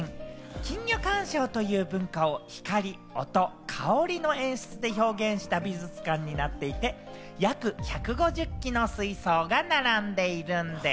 金魚鑑賞という文化を光・音・香りの演出で表現した美術館になっていて、約１５０基の水槽が並んでいるんでぃす。